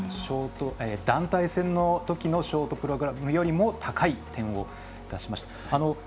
団体戦のときのショートプログラムよりも高い点を出しました。